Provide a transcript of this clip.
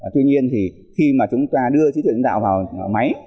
tuy nhiên thì khi mà chúng ta đưa trí tuệ nhân tạo vào máy